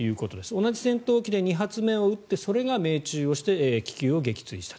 同じ戦闘機で２発目を撃ってそれが命中して気球を撃墜したと。